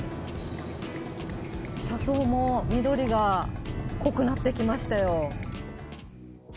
車窓も緑が濃くなってきましたよ。